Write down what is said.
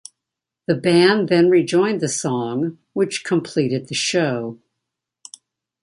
The band then rejoined the song, which completed the show.